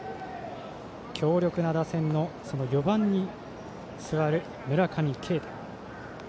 強力な打線の４番に座る村上慶太。